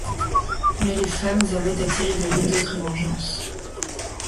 Mais les femmes avaient à tirer de lui d’autres vengeances.